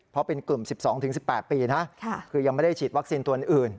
เพราะเป็นกลุ่ม๑๒๑๘ปีนะคือยังไม่ได้ฉีดวัคซีนตัวอื่น